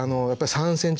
３ｃｍ。